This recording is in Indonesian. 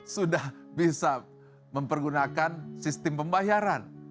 sudah bisa mempergunakan sistem pembayaran